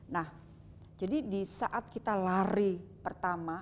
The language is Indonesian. nah jadi di saat kita lari pertama